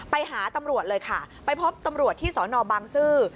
ไปหาตำรวจเลยค่ะไปพบตำรวจที่สอนอบางซื่อ